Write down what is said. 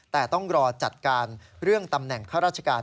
แต่ต้องรอจัดการเรื่องตำแหน่งข้าราชการ